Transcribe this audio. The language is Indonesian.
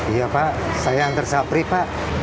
iya pak saya yang tersahap pri pak